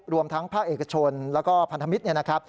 รวมทั้งภาคเอกชนและพันธมิตร